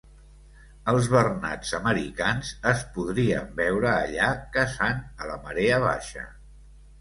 Els bernats americans es podrien veure allà caçant a la marea baixa.